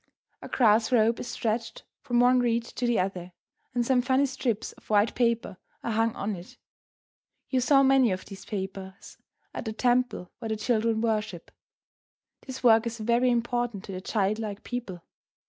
A grass rope is stretched from one reed to the other, and some funny strips of white paper are hung on it. You saw many of these papers at the temple where the children worship. This work is very important to the childlike people.